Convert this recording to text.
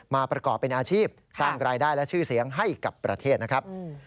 มาประกอบเป็นอาชีพสร้างรายได้และชื่อเสียงให้กับประเทศนะครับ